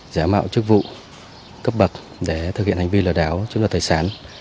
giả mạo chức vụ cấp bậc để thực hiện hành vi lò đảo chúng là tài sản